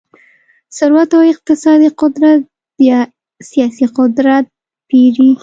ثروت او اقتصادي قدرت بیا سیاسي قدرت پېري.